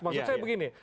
maksud saya begini